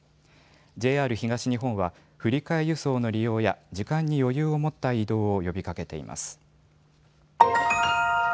ＪＲ東日本は振り替え輸送の利用や時間に余裕を持った移動を呼びかけています。